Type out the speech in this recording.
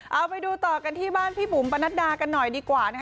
เอาไปดูต่อกันที่บ้านพี่บุ๋มปนัดดากันหน่อยดีกว่านะคะ